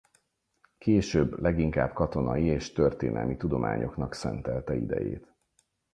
Később leginkább katonai és történelmi tudományoknak szentelte idejét.